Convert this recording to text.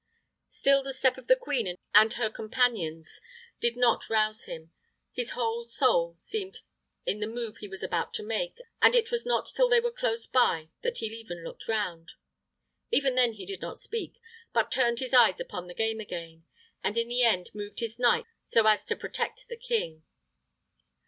Still the step of the queen and her companions did not rouse him: his whole soul seemed in the move he was about to make, and it was not till they were close by that he even looked round. Even then he did not speak, but turned his eyes upon the game again, and in the end moved his knight so as to protect the king.